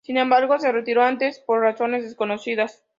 Sin embargo, se retiró antes por razones desconocidas.